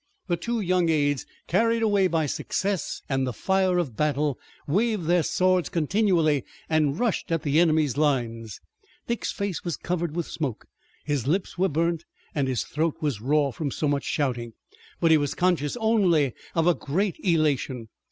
The two young aides carried away by success and the fire of battle, waved their swords continually and rushed at the enemy's lines. Dick's face was covered with smoke, his lips were burnt, and his throat was raw from so much shouting. But he was conscious only of great elation.